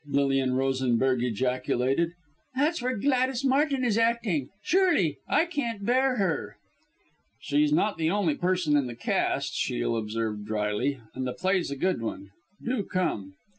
Lilian Rosenberg ejaculated. "That's where Gladys Martin is acting, surely! I can't bear her!" "She's not the only person in the cast," Shiel observed drily, "and the play's a good one! Do come!"